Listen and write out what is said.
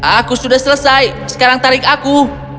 aku sudah selesai sekarang tarik aku